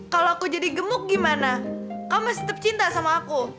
kalau aku jadi gemuk gimana kamu masih tetap cinta sama aku